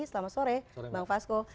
selamat sore bang fasko